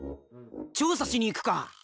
調査しに行くか！